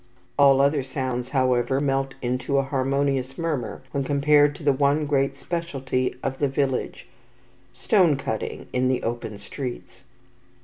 All other sounds, however, melt into a harmonious murmur when compared to the one great speciality of the village, stone cutting in the open streets.